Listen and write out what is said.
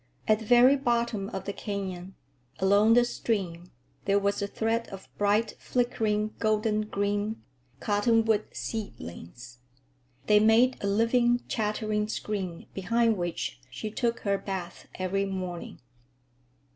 At the very bottom of the canyon, along the stream, there was a thread of bright, flickering, golden green,—cottonwood seedlings. They made a living, chattering screen behind which she took her bath every morning.